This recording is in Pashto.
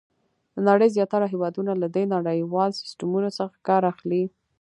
د نړۍ زیاتره هېوادونه له دې نړیوال سیسټمونو څخه کار اخلي.